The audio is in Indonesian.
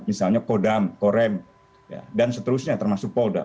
misalnya kodam korem dan seterusnya termasuk polda